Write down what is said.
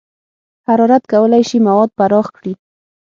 حرارت کولی شي مواد پراخ کړي.